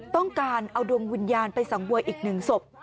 ต้องการเอาดวงวิญญาณไปสังเวยอีกหนึ่งศพ